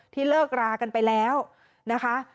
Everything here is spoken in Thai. เลิกรากันไปแล้วนะคะ